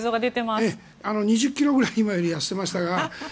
２０ｋｇぐらい今より痩せていましたが。